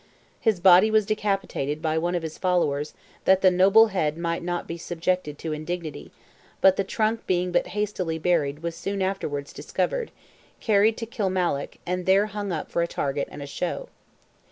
His body was decapitated by one of his followers, that the noble head might not be subjected to indignity; but the trunk being but hastily buried was soon afterwards discovered, carried to Kilmallock, and there hung up for a target and a show.